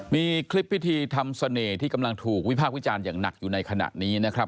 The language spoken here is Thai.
มีคลิปพิธีทำเสน่ห์ที่กำลังถูกวิพากษ์วิจารณ์อย่างหนักอยู่ในขณะนี้นะครับ